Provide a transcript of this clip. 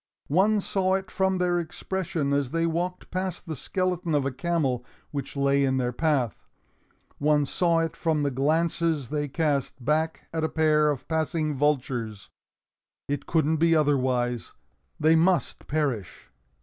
One saw it from their expression as they walked past the skeleton of a camel which lay in their path. One saw it from the glances they cast back at a pair of passing vultures. It couldn't be otherwise; they must perish!